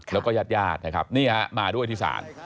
แล้วก็ญาติญาตินะครับนี่ฮะมาด้วยที่ศาล